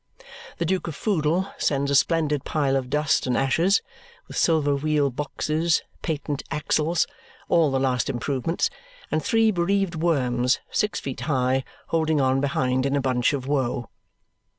The Duke of Foodle sends a splendid pile of dust and ashes, with silver wheel boxes, patent axles, all the last improvements, and three bereaved worms, six feet high, holding on behind, in a bunch of woe.